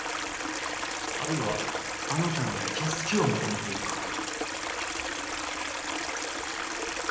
あるいはあなたに助けを求めているか